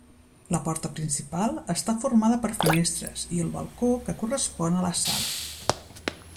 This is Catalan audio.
La porta principal està formada per finestres i el balcó que correspon a la sala.